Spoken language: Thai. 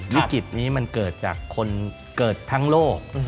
วิกฤตนี้มันเกิดจากคนเกิดทั้งโลก